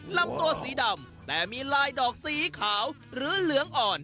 ลำตัวสีดำแต่มีลายดอกสีขาวหรือเหลืองอ่อน